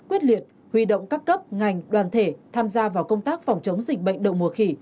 quyết liệt huy động các cấp ngành đoàn thể tham gia vào công tác phòng chống dịch bệnh đậu mùa khỉ